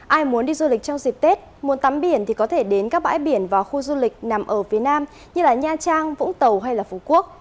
ai muốn đi du lịch trong dịp tết muốn tắm biển thì có thể đến các bãi biển và khu du lịch nằm ở phía nam như nha trang vũng tàu hay phú quốc